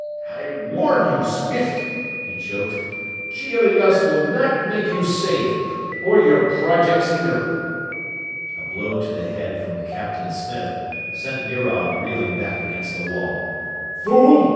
"I warn you, Swift!" he choked. "Jailing us will not make you safe or your projects, either!" A blow to the head from "Captain Smith" sent Mirov reeling back against the wall. "Fool!